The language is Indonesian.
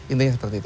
intinya seperti itu